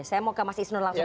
saya mau ke mas isnur langsung